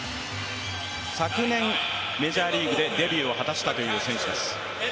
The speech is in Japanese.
昨年、メジャーリーグでデビューを果たしたという選手です。